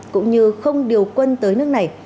cũng như không điều quân tới nước này